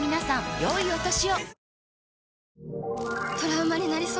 良いお年を。